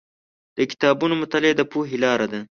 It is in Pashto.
د کتابونو مطالعه د پوهې لاره ده.